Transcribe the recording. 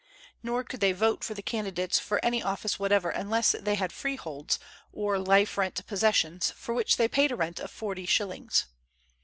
Nor could they vote for the candidates for any office whatever unless they had freeholds, or life rent possessions, for which they paid a rent of forty shillings.